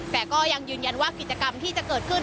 แต่ก็ยังยืนยันว่ากิจกรรมที่จะเกิดขึ้น